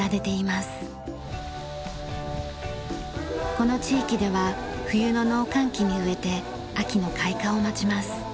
この地域では冬の農閑期に植えて秋の開花を待ちます。